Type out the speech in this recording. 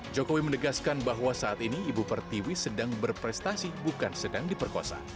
jokowi menegaskan bahwa saat ini ibu pertiwi sedang berprestasi bukan sedang diperkosa